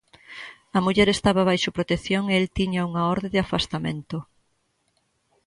A muller estaba baixo protección e el tiña unha orde de afastamento.